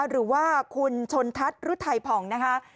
หรือว่าคุณชนทัศน์หรือไทยผ่องนะคะ